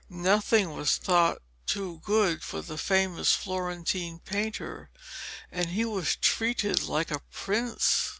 Nothing was thought too good for the famous Florentine painter, and he was treated like a prince.